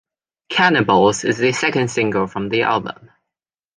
"Cannibals" is the second single from the album.